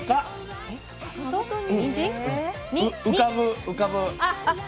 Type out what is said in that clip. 浮かぶ浮かぶ。